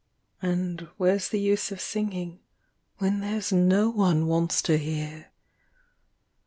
And where's the use of singing, when there's no one wants to hear?